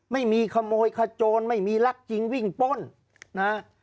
ไม่มีขโมยขโจรไม่มีรักจริงวิ่งป้นนะฮะ